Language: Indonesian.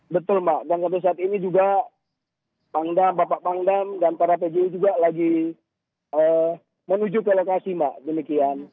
betul mbak dan sampai saat ini juga pangdam bapak pangdam dan para pju juga lagi menuju ke lokasi mbak demikian